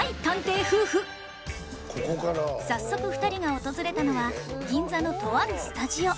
早速２人が訪れたのは銀座のとあるスタジオ